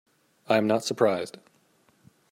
I am not surprised.